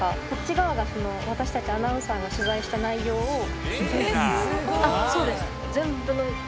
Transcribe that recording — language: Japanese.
こっち側が、私たちアナウンサーが取材した内容を。